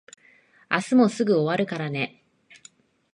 明日もすぐ終わるからね。